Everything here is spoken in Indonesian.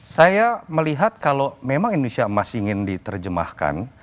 saya melihat kalau memang indonesia masih ingin diterjemahkan